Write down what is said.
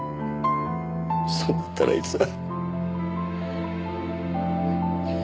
そうなったらあいつは。